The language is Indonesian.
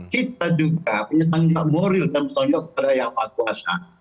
kita juga punya tanggung jawab moral dan tontonnya kepada yang mahu kuasa